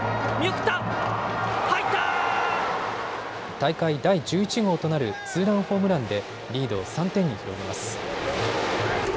大会第１１号となるツーランホームランでリードを３点に広げます。